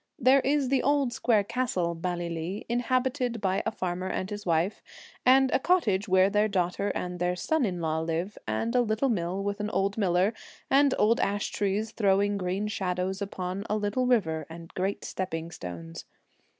There is the old square castle, Ballylee, inhabited by a farmer and his wife, and a cottage where their daughter and their son in law live, and a little mill with an old miller, and old ash trees throwing green shadows upon a little river and great stepping stones.